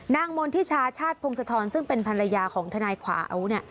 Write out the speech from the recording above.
มณฑิชาชาติพงศธรซึ่งเป็นภรรยาของทนายขวาเอา